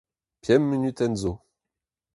Pemp munutenn zo.